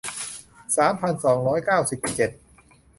สามพันสองร้อยเก้าสิบเจ็ด